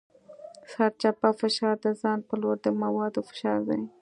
سرچپه فشار د ځان په لور د موادو فشار دی.